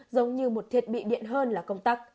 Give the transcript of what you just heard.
giống như một thiết bị điện hơn là công tắc